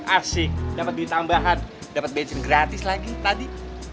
asik dapat beli tambahan dapat bensin gratis lagi tadi